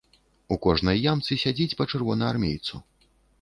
У кожнай ямцы сядзіць па чырвонаармейцу.